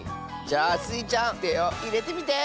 じゃあスイちゃんてをいれてみて！